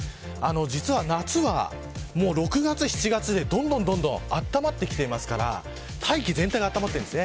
実は夏は６月、７月で、どんどんあったまってきていますから大気全体が温まっているんです。